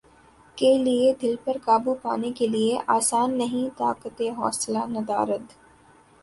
کے لیے دل پر قابو پانے کیلئے آسان نہیں طاقت حوصلہ ندارد